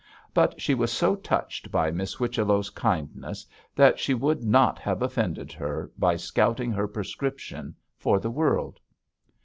But she was so touched by Miss Whichello's kindness that she would not have offended her, by scouting her prescription, for the world.